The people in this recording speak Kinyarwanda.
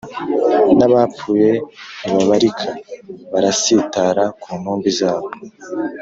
n’abapfuye ntibabarika Barasitara ku ntumbi zabo